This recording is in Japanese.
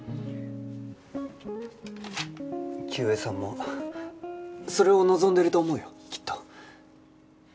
清江さんもそれを望んでると思うよきっと。